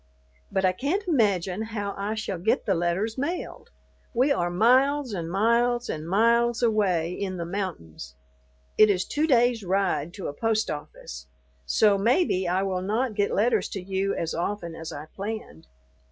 But I can't imagine how I shall get the letters mailed. We are miles and miles and miles away in the mountains; it is two days' ride to a post office, so maybe I will not get letters to you as often as I planned.